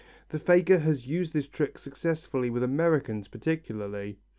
The faker has used this trick successfully with Americans particularly.